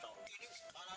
makan duduk sini ya